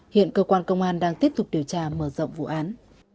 hiện cơ quan công an đang tiếp tục điều tra mở rộng vụ án